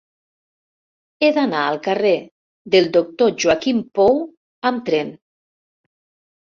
He d'anar al carrer del Doctor Joaquim Pou amb tren.